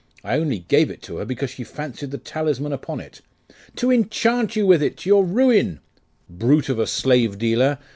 I only gave it her because she fancied the talisman upon it.' 'To enchant you with it, to your ruin!' 'Brute of a slave dealer!